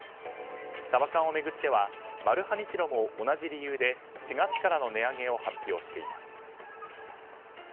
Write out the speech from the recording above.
サバ缶を巡ってはマルハニチロも同じ理由で４月からの値上げを発表しています。